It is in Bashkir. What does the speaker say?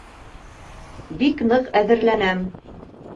Бик ныҡ әҙерләнәм.